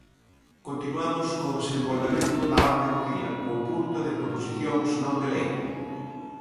Continuamos co desenvolvemento da orde do día, co punto de proposicións non de lei.